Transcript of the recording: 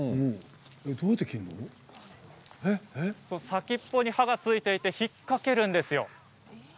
先っぽに刃がついていて引っ掛けるんですよ。